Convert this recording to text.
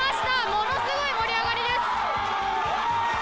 ものすごい盛り上がりです。